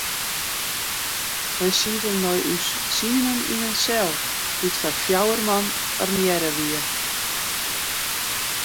Wy sieten mei ús tsienen yn in sel dy't foar fjouwer man ornearre wie.